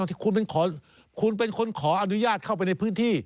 ที่คุณเป็นคนขออนุญาตเข้าไปในพื้นที่